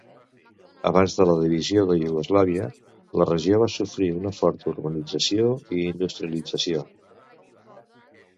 Abans de la divisió de Iugoslàvia, la regió va sofrir una forta urbanització i industrialització.